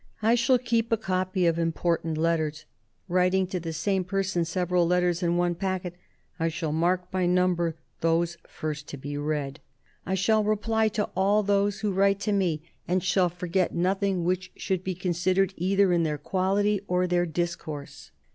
... I shall keep a copy of important letters. ... Writing to the same person several letters in one packet, I shall mark by number those first to be read. ... I shall reply to all those who write to me, and shall forget nothing which should be considered either in their quality or their discourse.